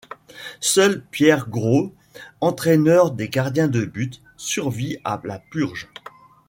Seul Pierre Groulx, entraîneur des gardiens de but, survit à la purge.